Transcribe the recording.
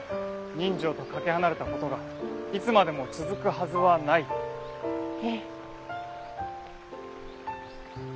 人情とかけ離れたことがいつまでも続くはずはないと。